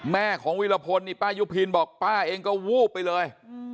แม่ของวิรพลนี่ป้ายุพินบอกป้าเองก็วูบไปเลย